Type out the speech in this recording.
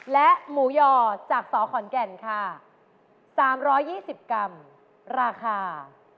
และหมูหย่อจากสขอนแก่นค่ะ๓๒๐กรัมราคา